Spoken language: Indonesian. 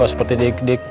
gak seperti dikdik